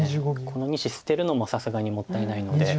この２子捨てるのもさすがにもったいないので。